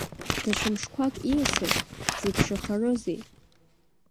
Даҽа мшқәак ииасыр, дзеиԥшрахарызи?